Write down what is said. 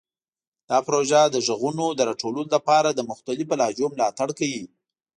دا پروژه د غږونو د راټولولو لپاره د مختلفو لهجو ملاتړ کوي.